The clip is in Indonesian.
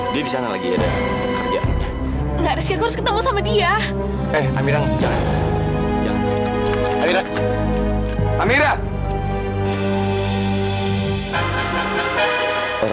dia disana lagi ada